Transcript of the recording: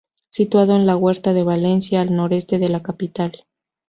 Situado en la Huerta de Valencia, al noroeste de la capital.